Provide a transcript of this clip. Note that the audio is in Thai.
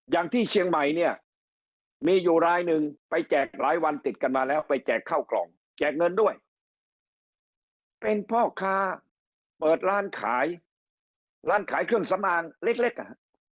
อย่างที่เชียงใหม่เนี่ยมีอยู่รายหนึ่งไปแจกหลายวันติดกันมาแล้วไปแจกเข้ากล่องแจกเงินด้วยเป็นพ่อค้าเปิดร้านขายร้านขายเครื่องสำอางเล็ก